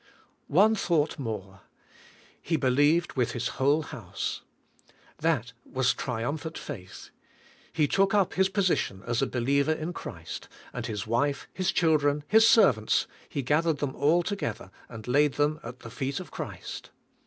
One thought more, — he believed with his whole house. That was triumphant faith. He took up his position as a believer in Christ; and his wife, his children, his servants — he gathered them all together, and laid them at the feet of Christ.